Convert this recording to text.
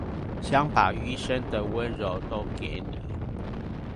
想把餘生的溫柔都給你